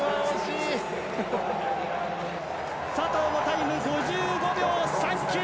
佐藤のタイム５５秒３９。